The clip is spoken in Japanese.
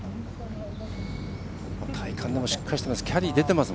体幹しっかりしてます。